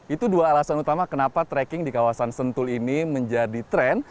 itu dua alasan utama kenapa trekking di kawasan sentul ini menjadi tren